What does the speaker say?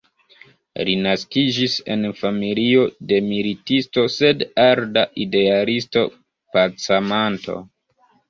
Li naskiĝis en familio de militisto sed arda idealisto-pacamanto.